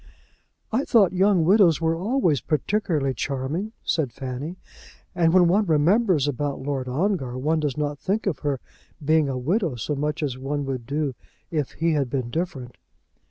"I thought young widows were always particularly charming," said Fanny; "and when one remembers about Lord Ongar one does not think of her being a widow so much as one would do if he had been different."